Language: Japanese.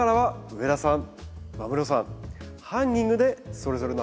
上田さん